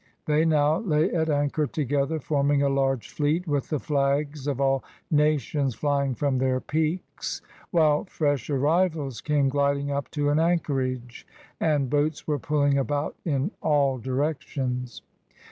They now lay at anchor together, forming a large fleet, with the flags of all nations flying from their peaks, while fresh arrivals came gliding up to an anchorage, and boats were pulling about in all directions.